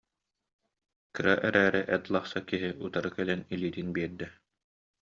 кыра эрээри эт лахса киһи утары кэлэн илиитин биэрдэ